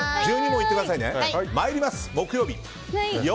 １２問いってくださいね。